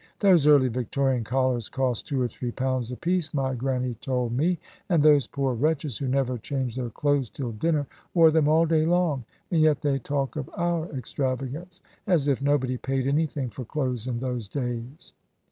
Those early Victorian collars cost two or three pounds apiece, my Grannie told me, and those poor wretches who never changed their clothes till dinner, wore them all day long; and yet they talk of our extravagance; as if nobody paid anything for clothes in those days."